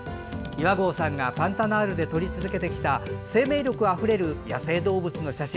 岩合さんがパンタナールで撮り続けてきた生命力あふれる野生動物の写真